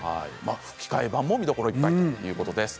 吹き替え版も見どころいっぱいです。